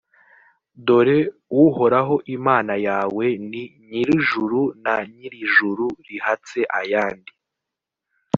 dore uhoraho imana yawe ni nyir’ijuru, na nyir’ijuru rihatse ayandi